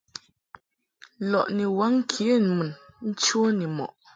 Lɔʼ ni waŋ ŋkenmun nche ni mɔʼ.